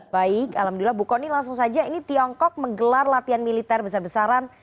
baik alhamdulillah bu kony langsung saja ini tiongkok menggelar latihan militer besar besaran